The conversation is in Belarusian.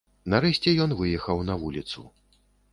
Нарэшце ён выехаў на вуліцу.